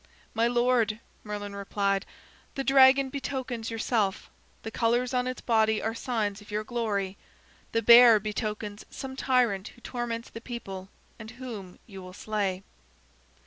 "My lord," Merlin replied, "the dragon betokens yourself; the colors on its body are signs of your glory. The bear betokens some tyrant who torments the people and whom you will slay."